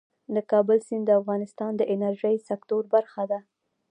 د کابل سیند د افغانستان د انرژۍ سکتور برخه ده.